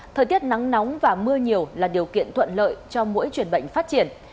thời tiết nắng nóng và mưa nhiều là điều kiện thuận lợi cho mỗi chuyển bệnh phát triển